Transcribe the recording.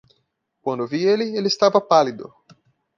Quando eu vi ele, ele estava pálido.